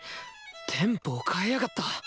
テンポを変えやがった！